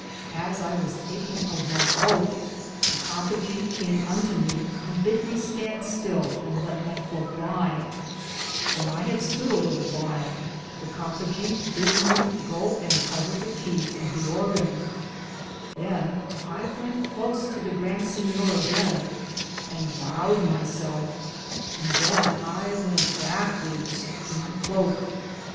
As I was taking of my cloake, the Coppagaw came unto me and bid me stand still and lett my cloake lye ; when 1 had stood a litle whyle, the Coppagaw bid me goo and cover the Keaes of the organ ; then I wente Close to the Grand Sinyor againe, and bowed myselfe, and then I wente backewardes to my Cloake.